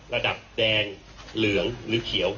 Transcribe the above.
ระดับแดงเหลืองหรือเขียว